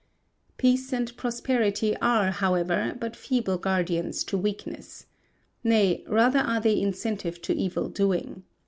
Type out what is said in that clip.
Peace and prosperity are, however, but feeble guardians to weakness. Nay, rather are they incentive to evil doing.